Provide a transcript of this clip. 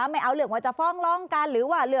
ไม่เอาเรื่องว่าจะฟ้องร้องกันหรือว่า